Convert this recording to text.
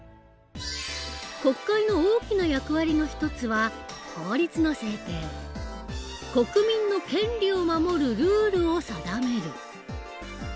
国会の大きな役割の一つは国民の権利を守るルールを定める。